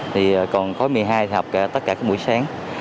thì còn khóa một mươi hai thì học tất cả các buổi sáng